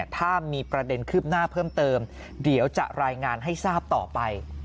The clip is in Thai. ถ้ามีประเด็นคืบหน้าเพิ่มเติมเดี๋ยวจะรายงานให้ทราบต่อไป